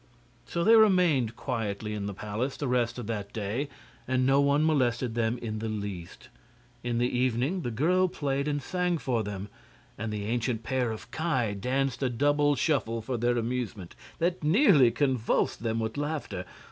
So they remained quietly in the palace the rest of that day, and no one molested them in the least. In the evening the girl played and sang for them, and the ancient pair of Ki danced a double shuffle for their amusement that nearly convulsed them with laughter.